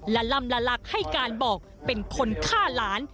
ละล่ำละลักให้การบอกเป็นคนฆ่าหลาน